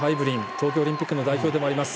東京オリンピックの代表でもあります。